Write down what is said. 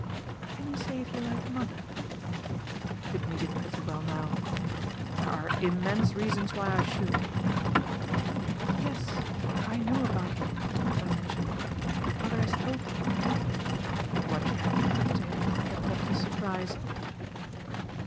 "Can you say if you like mother?" He could meet it pretty well now. "There are immense reasons why I should." "Yes I know about them, as I mentioned: mother has told me." But what she had to put to him kept up his surprise.